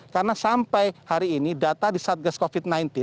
karena sampai hari ini data di satgas covid sembilan belas